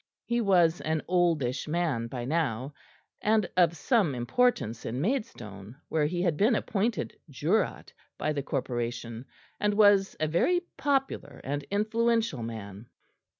He was an oldish man by now, and of some importance in Maidstone, where he had been appointed Jurat by the Corporation, and was a very popular and influential man.